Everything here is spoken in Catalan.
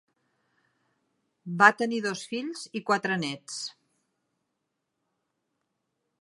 Va tenir dos fills i quatre nets.